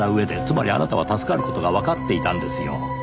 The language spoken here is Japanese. つまりあなたは助かる事がわかっていたんですよ。